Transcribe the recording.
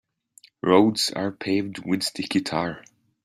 Roads are paved with sticky tar.